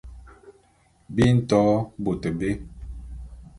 Bi nto bôt bé.